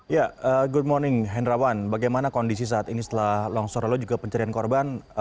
ya good morning hendrawan bagaimana kondisi saat ini setelah longsor lalu juga pencarian korban